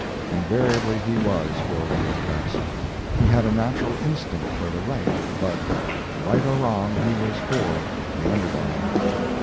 Invariably he was for the oppressed. He had a natural instinct for the right, but, right or wrong, he was for the under dog.